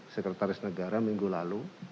sekretaris negara minggu lalu